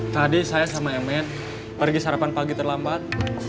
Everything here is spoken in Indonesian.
tadi saya sama mn pergi sarapan pagi terlambat